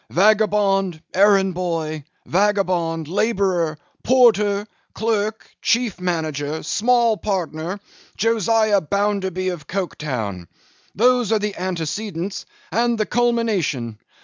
Vagabond, errand boy, vagabond, labourer, porter, clerk, chief manager, small partner, Josiah Bounderby of Coketown. Those are the antecedents, and the culmination.